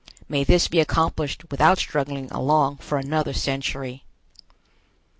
May this be accomplished without struggling along for another century!